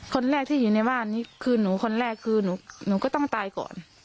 คนแรกที่อยู่ในบ้านนี้คือหนูคนแรกคือหนูก็ต้องตายก่อน